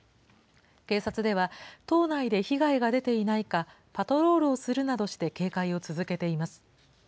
警察では、島内で被害が出ていないか、パトロールをするなどして警戒を続けています。